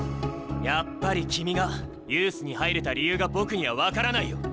やっぱり君がユースに入れた理由が僕には分からないよ。